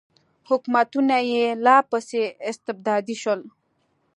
حکومتونه یې لا پسې استبدادي شول.